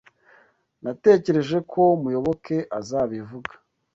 Natekereje ko Muyoboke azabivuga.